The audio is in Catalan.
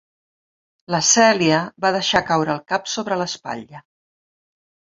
La Celia va deixar caure el cap sobre l'espatlla.